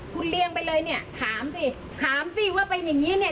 คุณเรียงไปเลยเนี่ยถามสิถามสิว่าเป็นอย่างนี้เนี่ย